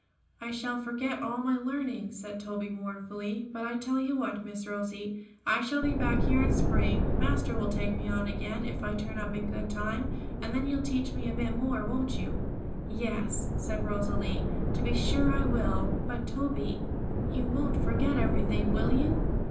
'I shall forget all my learning,' said Toby mournfully. 'But I tell you what, Miss Rosie, I shall be back here in spring; master will take me on again, if I turn up in good time, and then you'll teach me a bit more, won't you?' 'Yes,' said Rosalie, 'to be sure I will; but, Toby, you won't forget everything, will you?'